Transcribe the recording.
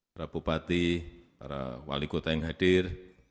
para bupati para wali kota yang hadir